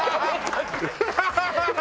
ハハハハ！